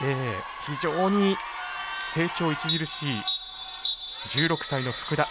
非常に成長著しい１６歳の福田。